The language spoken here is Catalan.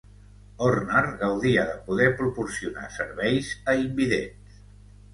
Horner gaudia de poder proporcionar serveis a invidents.